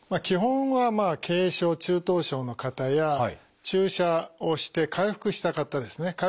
基本は軽症中等症の方や注射をして回復した方ですね